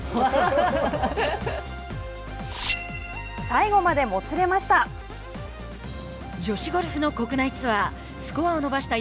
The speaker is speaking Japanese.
最後までもつれました。